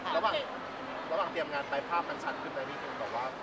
ระหว่างเตรียมงานภาพมันชัดขึ้นไหม